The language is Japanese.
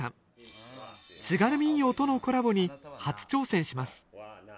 津軽民謡とのコラボに初挑戦します